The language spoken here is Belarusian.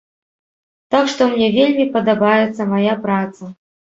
Так што мне вельмі падабаецца мая праца.